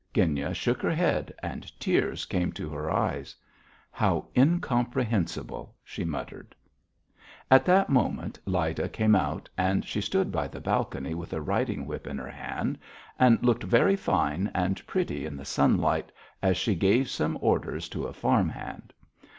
Genya shook her head and tears came to her eyes. "How incomprehensible!" she muttered. At that moment Lyda came out, and she stood by the balcony with a riding whip in her hand, and looked very fine and pretty in the sunlight as she gave some orders to a farm hand.